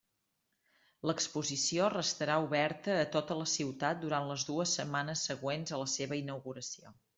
L'exposició restarà oberta a tota la ciutat durant les dues setmanes següents a la seva inauguració.